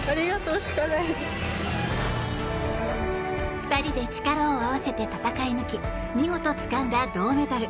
２人で力を合わせて戦い抜き見事つかんだ銅メダル。